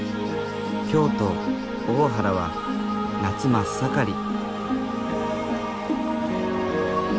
京都・大原は夏真っ盛り。